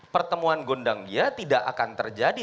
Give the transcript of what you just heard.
pertemuan gondang dia tidak akan terjadi